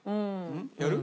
やる？